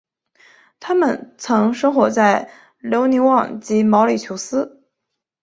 它们曾生活在留尼旺及毛里裘斯。